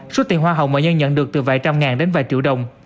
số tiền hoa hồng mà nhân nhận được từ vài trăm ngàn đến vài triệu đồng